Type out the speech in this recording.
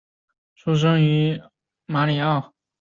出生于美国马里兰州巴尔的摩。